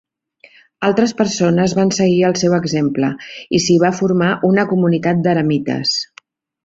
Altres persones van seguir el seu exemple, i s'hi va formar una comunitat d'eremites.